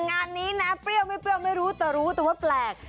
งานนี้นะเปรี้ยวไม่เปรี้ยวไม่รู้แต่รู้แต่ว่าแปลก